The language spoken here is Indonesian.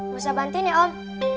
bisa bantuin ya om